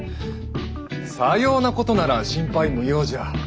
さようなことなら心配無用じゃ。